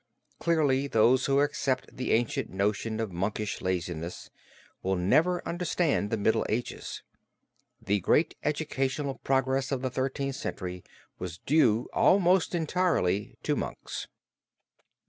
Clearly those who accept the ancient notion of monkish laziness will never understand the Middle Ages. The great educational progress of the Thirteenth Century was due almost entirely to monks.